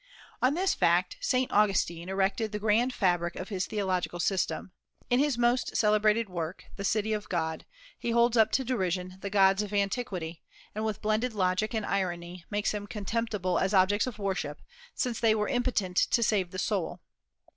On this fact Saint Augustine erected the grand fabric of his theological system. In his most celebrated work, "The City of God," he holds up to derision the gods of antiquity, and with blended logic and irony makes them contemptible as objects of worship, since they were impotent to save the soul.